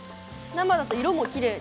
生だと色もきれいですね。